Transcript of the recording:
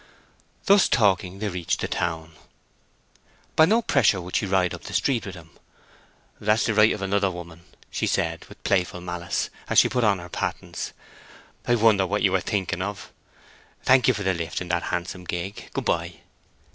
Thus talking, they reached the town. By no pressure would she ride up the street with him. "That's the right of another woman," she said, with playful malice, as she put on her pattens. "I wonder what you are thinking of! Thank you for the lift in that handsome gig. Good by."